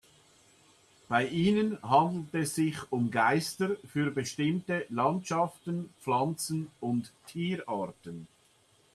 Bei ihnen handelt es sich um Geister für bestimmte Landschaften, Pflanzen- und Tierarten.